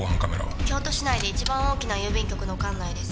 京都市内で一番大きな郵便局の管内です。